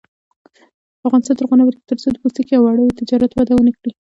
افغانستان تر هغو نه ابادیږي، ترڅو د پوستکي او وړیو تجارت وده ونه کړي.